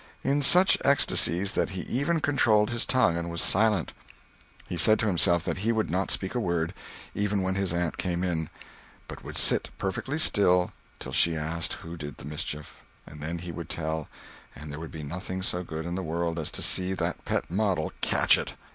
In such ecstasies that he even controlled his tongue and was silent. He said to himself that he would not speak a word, even when his aunt came in, but would sit perfectly still till she asked who did the mischief; and then he would tell, and there would be nothing so good in the world as to see that pet model "catch it."